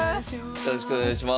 よろしくお願いします。